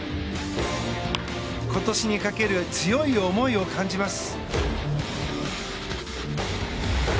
今年にかける強い思いを感じます。